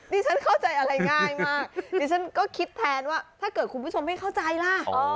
ฉันเข้าใจอะไรง่ายมากดิฉันก็คิดแทนว่าถ้าเกิดคุณผู้ชมไม่เข้าใจล่ะ